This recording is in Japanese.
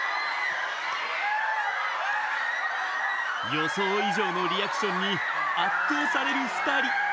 予想以上のリアクションに圧倒される２人。